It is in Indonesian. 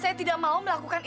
saya tidak mau melakukan